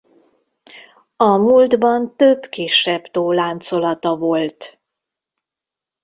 A múltban több kisebb tó láncolata volt.